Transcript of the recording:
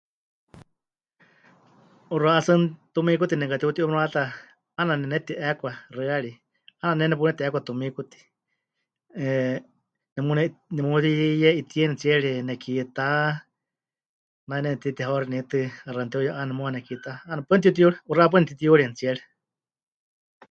'Uxa'á tsɨ mɨtumíkuti nemɨkatiuti'uuximayáta 'aana nemɨneti'eekwa xɨari, 'aana ne nepuneti'eekwa tumíkuti, 'eh, nemune... nemuye'itɨeni tsiere nekiitá, nai nemɨtitihauxini tɨ 'axa mɨtiuye'ane muuwa nekiitá, 'aana paɨ nepɨtiutiyuruwa, 'uxa'á paɨ nepɨtitiyurieni tsiere.